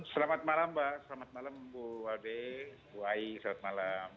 selamat malam mbak selamat malam bu wade bu ai selamat malam